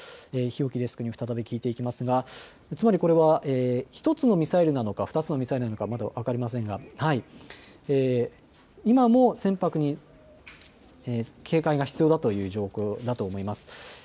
日置デスクに再び聞いていきますが、つまりこれは１つのミサイルなのか２つのミサイルなのかまだ分かりませんが今も船舶に警戒が必要だという状況だと思います。